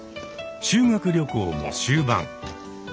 修学旅行も終盤。